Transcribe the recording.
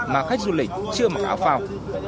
mà khách du lịch chưa mặc áo phào